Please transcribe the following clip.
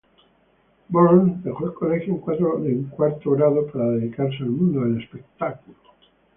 Burns dejó el colegio en cuarto grado para dedicarse al mundo del espectáculo.